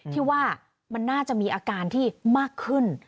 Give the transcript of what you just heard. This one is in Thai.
ที่ว่ามันน่าจะมีอาการที่มากขึ้น